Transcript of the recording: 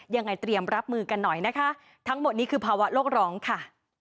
ยังไงเตรียมรับมือกันหน่อยนะคะทั้งหมดนี้คือภาวะโลกร้องค่ะ